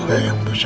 keluarga yang bisa